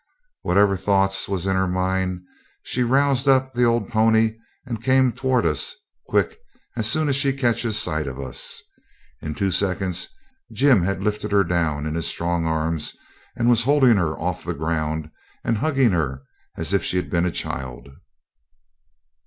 Whatever thoughts was in her mind, she roused up the old pony, and came towards us quick as soon as she catches sight of us. In two seconds Jim had lifted her down in his strong arms, and was holding her off the ground and hugging her as if she'd been a child.